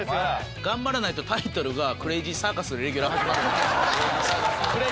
頑張らないとタイトルが「クレイジーサーカス」でレギュラー始まる。